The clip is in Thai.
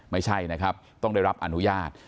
ไม่ใช่นะครับต้องได้รับอนุญาต